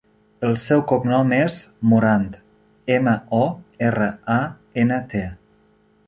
El seu cognom és Morant: ema, o, erra, a, ena, te.